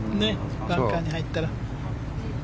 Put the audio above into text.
バンカーに入ったら。